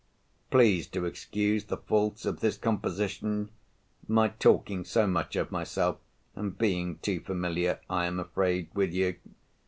Please to excuse the faults of this composition—my talking so much of myself, and being too familiar, I am afraid, with you.